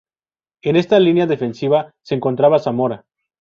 En esta línea defensiva se encontraba Zamora.